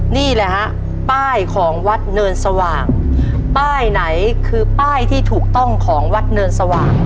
นี่แหละฮะป้ายของวัดเนินสว่างป้ายไหนคือป้ายที่ถูกต้องของวัดเนินสว่าง